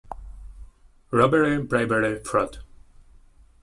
Robbery, bribery, fraud,